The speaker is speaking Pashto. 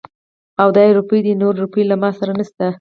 او دا يې روپۍ دي. نورې روپۍ له ما سره نشته.